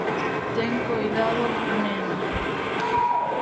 Ten coidado, nena.